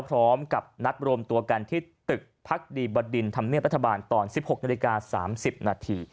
พร้อมกับนักรวมตัวกันที่ตึกพรรคดีบดินธรรมเนียมรัฐบาลตอน๑๖น๓๐น